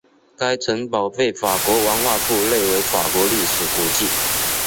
该城堡被法国文化部列为法国历史古迹。